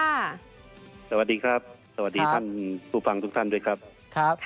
สวัสดีครับสวัสดีท่านผู้ฟังทุกท่านด้วยครับ